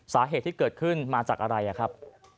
สาเหตุที่เกิดขึ้นมาจากอะไรครับ